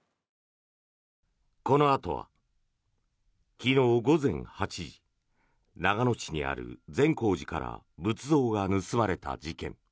このあとは昨日午前８時長野市にある善光寺から仏像が盗まれた事件。